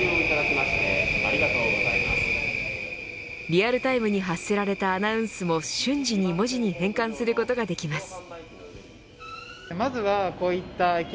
リアルタイムに発せられたアナウンスも瞬時に文字に変換することができます。